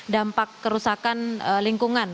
dampak kerusakan lingkungan